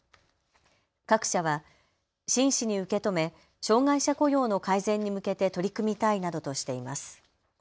各社は真摯に受け止め障害者雇用の改善に向けて取り組みたいなどとしています。